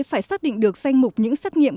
phải xác định được danh mục những xét nghiệm